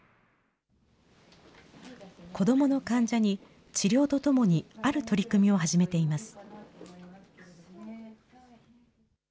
子どもの患者に治療とともにある取り組みを始めています。